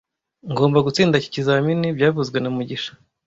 Ngomba gutsinda iki kizamini byavuzwe na mugisha